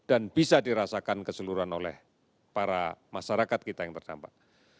dan bisa dirasakan keseluruhan oleh para masyarakat kita yang terdampak